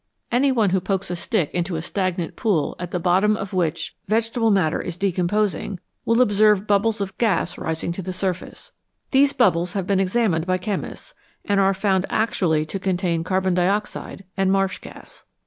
Any one who pokes a stick into a stagnant pool at the bottom of which vegetable matter is decomposing will observe bubbles of gas rising to the surface. These bubbles have been examined by chemists, and are found actually to contain carbon dioxide and marsh gas.